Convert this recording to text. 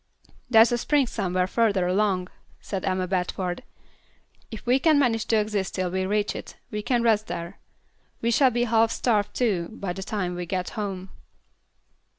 "There's a spring somewhere further along," said Emma Bradford. "If we can manage to exist till we reach it, we can rest there. We shall be half starved, too, by the time we get home."